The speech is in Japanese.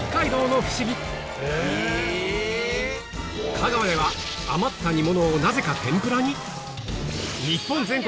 香川では余った煮物をなぜか天ぷらに？